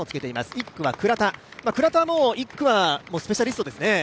１区の倉田は１区はスペシャリストですね。